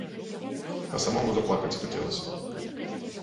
А самому заплакаць хацелася.